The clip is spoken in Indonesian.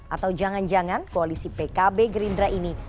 atau jangan jangan koalisi pkb gerindra ini